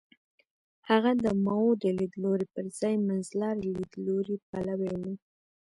هغه د ماوو د لیدلوري پر ځای منځلاري لیدلوري پلوی و.